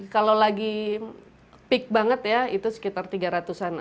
kalau lagi peak banget ya itu sekitar tiga ratus an